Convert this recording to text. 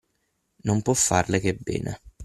Non può farle che bene.